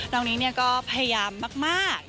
น้องนิ้งก็พยายามมาก